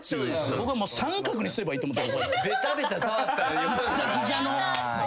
僕は三角にすればいいと思って。